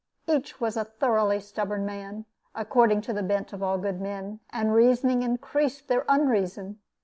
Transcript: Each was a thoroughly stubborn man, according to the bent of all good men, and reasoning increased their unreason.